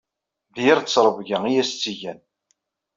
D yir ttrebga i as-tt-igan.